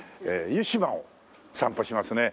湯島を散歩しますね。